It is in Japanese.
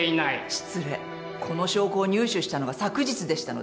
失礼この証拠を入手したのが昨日でしたので。